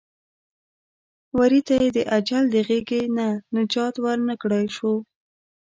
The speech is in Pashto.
وري ته یې د اجل د غېږې نه نجات ور نه کړلی شو.